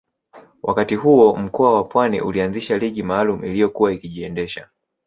Wakati huo mkoa wa Pwani ulianzisha ligi maalumu iliyokuwa ikijiendesha